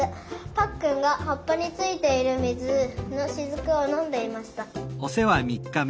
ぱっくんがはっぱについているみずのしずくをのんでいました。